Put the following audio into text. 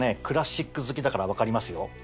クラシック好きだから分かりますよ。